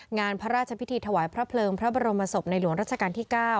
งานพระราชพิธีถวายพระเพลิงพระบรมศพในหลวงรัชกาลที่๙